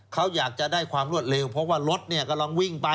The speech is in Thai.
เขาอยากจะได้ความรวดเร็วเพราะว่ารถเนี่ยกำลังวิ่งไป